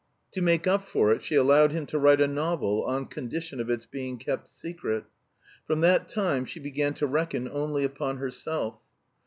To make up for it she allowed him to write a novel on condition of its being kept secret. From that time she began to reckon only upon herself.